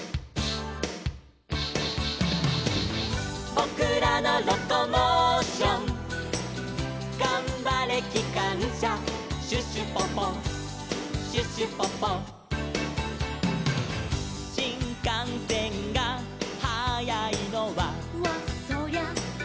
「ぼくらのロコモーション」「がんばれきかんしゃ」「シュシュポポシュシュポポ」「しんかんせんがはやいのは」